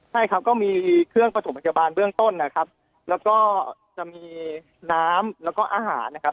ใช่ครับก็มีเครื่องประถมพยาบาลเบื้องต้นนะครับแล้วก็จะมีน้ำแล้วก็อาหารนะครับ